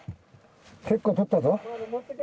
結構採ったぞ。